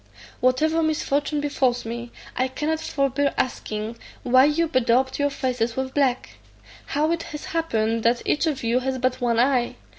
Whatever misfortune befalls me, I cannot forbear asking, why you bedaubed your faces with black? How it has happened that each of you has but one eye?